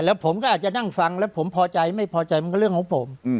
แล้วผมก็อาจจะนั่งฟังแล้วผมพอใจไม่พอใจมันก็เรื่องของผม